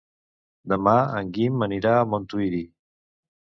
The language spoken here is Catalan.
Demà en Guim anirà a Montuïri.